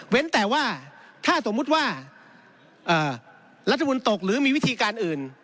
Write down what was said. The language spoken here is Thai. แต่ว่าถ้าสมมุติว่ารัฐมนต์ตกหรือมีวิธีการอื่น